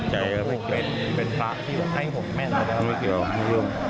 ให้มันมา